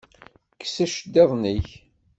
Kkes iceṭṭiḍen-ik!